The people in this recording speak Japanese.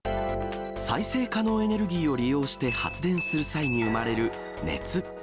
再生可能エネルギーを利用して発電する際に生まれる熱。